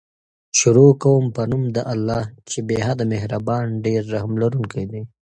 شروع کوم په نوم د الله چې بې حده مهربان ډير رحم لرونکی دی